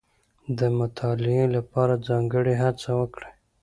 د مطالعې لپاره ځانګړې هڅه وکړئ.